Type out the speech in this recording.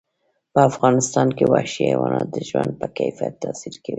په افغانستان کې وحشي حیوانات د ژوند په کیفیت تاثیر کوي.